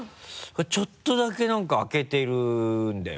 ちょっとだけなんか開けてるんだよ